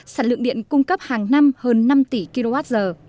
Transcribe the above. sản lượng điện cung cấp hàng năm hơn năm tỷ kwh